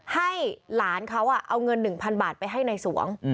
ให้หลานเขาเอาเงินหนึ่งพันบาทไปให้นายสวง